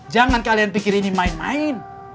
jangan kalian pikir ini main main